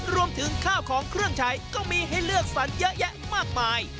รวมถึงข้าวของเครื่องใช้ก็มีให้เลือกสรรเยอะแยะมากมาย